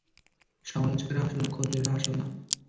সমালোচকরা আসল না, খদ্দেররা আসল না।